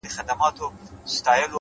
د لرې اورګاډي غږ د فضا خالي توب ښيي.!